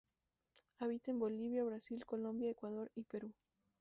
Habita en Bolivia, Brasil, Colombia, Ecuador y Perú.